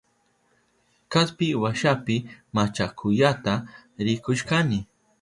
Kaspi washapi machakuyata rikushkani.